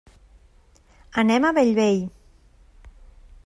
Anem a Bellvei.